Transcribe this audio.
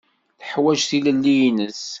Teḥwaǧ tilelli-nnes.